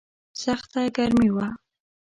سخته ګرمي وه.